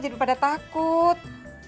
jadi pada takut